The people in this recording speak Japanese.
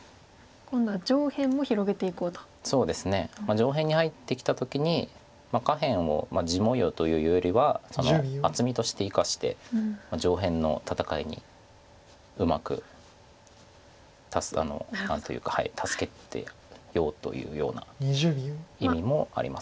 上辺に入ってきた時に下辺を地模様というよりは厚みとして生かして上辺の戦いにうまく何というか助けようというような意味もありますか。